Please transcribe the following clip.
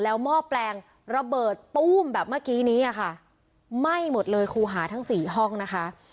หม้อแปลงระเบิดตู้มแบบเมื่อกี้นี้อ่ะค่ะไหม้หมดเลยครูหาทั้งสี่ห้องนะคะ